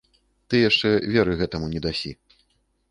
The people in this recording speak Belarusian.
Ты яшчэ веры гэтаму не дасі.